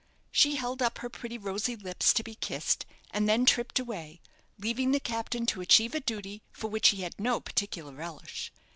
She held up her pretty rosy lips to be kissed, and then tripped away, leaving the captain to achieve a duty for which he had no particular relish.